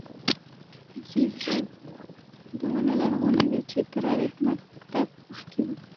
تمثيلي حکایت دونه لرغونى دئ، چي تر ادبي مکتب مخکي وو.